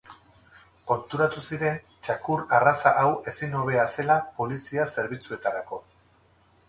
Konturatu ziren txakur-arraza hau ezin hobea zela polizia-zerbitzuetarako.